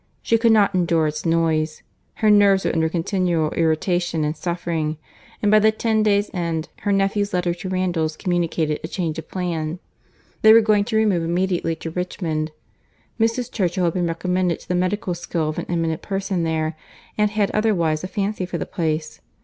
She could not endure its noise. Her nerves were under continual irritation and suffering; and by the ten days' end, her nephew's letter to Randalls communicated a change of plan. They were going to remove immediately to Richmond. Mrs. Churchill had been recommended to the medical skill of an eminent person there, and had otherwise a fancy for the place.